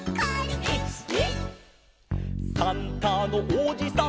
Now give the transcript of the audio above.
「１２」「サンタのおじさん」